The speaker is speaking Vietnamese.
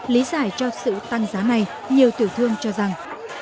lý giải cho sự tăng giá này nhiều tiểu thương cho rằng